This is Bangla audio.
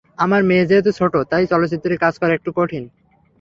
আমার মেয়ে যেহেতু খুব ছোট, তাই চলচ্চিত্রে কাজ করা একটু কঠিন।